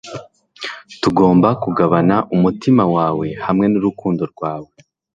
tugomba kugabana umutima wawe hamwe nurukundo rwawe